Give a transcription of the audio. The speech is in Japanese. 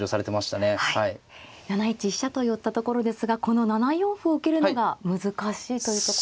７一飛車と寄ったところですがこの７四歩を受けるのが難しいというところですか。